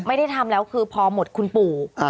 ไม่ได้ทำแล้วคือพอหมดคุณปู่